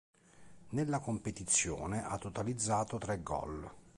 Nella competizione ha totalizzato tre gol.